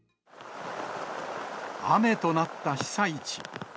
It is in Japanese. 雨となった被災地。